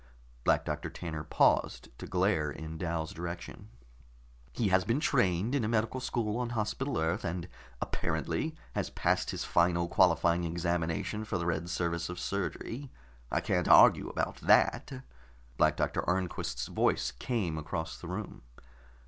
Black Doctor Tanner paused to glare in Dal's direction. "He has been trained in a medical school on Hospital Earth, and apparently has passed his final qualifying examinations for the Red Service of Surgery. I can't argue about that." Black Doctor Arnquist's voice came across the room.